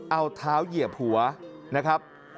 เอาเท้าเหยียบหัวนะครับ